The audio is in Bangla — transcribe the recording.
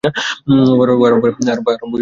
আরব্য উপন্যাসই বটে।